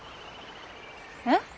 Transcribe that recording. えっ？